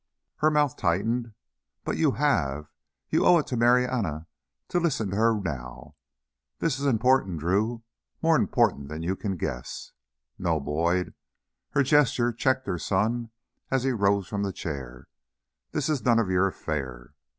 Her mouth tightened. "But you have! You owe it to Marianna to listen to her now. This is important, Drew, more important than you can guess. No, Boyd " her gesture checked her son as he arose from the chair "this is none of your affair.